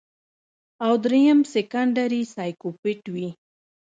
او دريم سيکنډري سايکوپېت وي